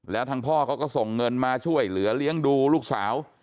แล้วทางพ่อเขาก็ส่งเงินมาช่วยเหลือเลี้ยงดูลูกสาว